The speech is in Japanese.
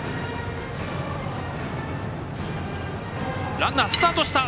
ランナー、スタートした。